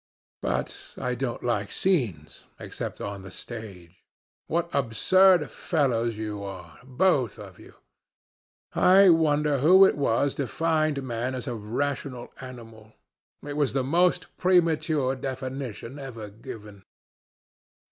But I don't like scenes, except on the stage. What absurd fellows you are, both of you! I wonder who it was defined man as a rational animal. It was the most premature definition ever given.